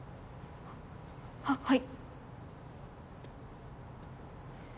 はははい。